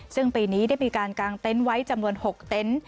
ซึ่งปีนี้ได้มีการกางเต็นต์ไว้จำนวน๖เต็นต์